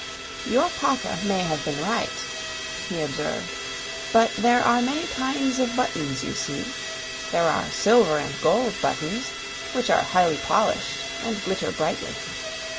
"Your papa may have been right," he observed; "but there are many kinds of buttons, you see. There are silver and gold buttons, which are highly polished and glitter brightly.